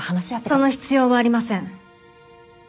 その必要はありません。